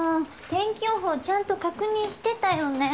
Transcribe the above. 天気予報ちゃんと確認してたよね？